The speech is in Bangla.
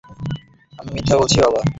আমি মিথ্যা বলছি, বাবা?